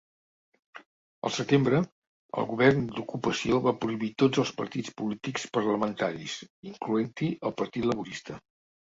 Al setembre, el govern d'ocupació va prohibir tots els partits polítics parlamentaris, incloent-hi el partit laborista.